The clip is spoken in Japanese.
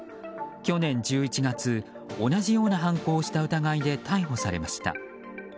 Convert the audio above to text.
去年１１月同じような犯行をした疑いで逮捕されました。